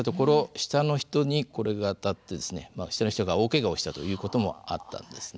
下の人にこれが当たって下の人が大けがをしたということもあったんですね。